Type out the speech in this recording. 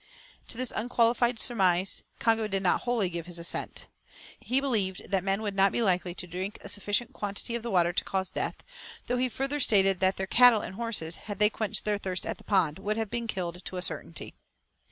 To this unqualified surmise, Congo did not wholly give his assent. He believed that men would not be likely to drink a sufficient quantity of the water to cause death; though he further stated that their cattle and horses, had they quenched their thirst at the pond, would have been killed to a certainty.